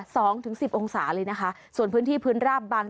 สองถึงสิบองศาเลยนะคะส่วนพื้นที่พื้นราบบาง